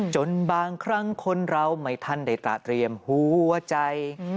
จนบางครั้งคนเราไม่ทันได้ตระเตรียมหัวใจ